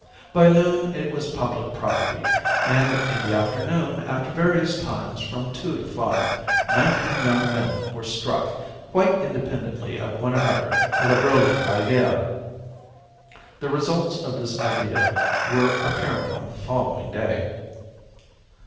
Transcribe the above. By noon it was public property; and in the afternoon, at various times from two to five, nineteen young men were struck, quite independently of one another, with a brilliant idea. The results of this idea were apparent on the following day.